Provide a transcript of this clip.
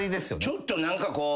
ちょっと何かこう。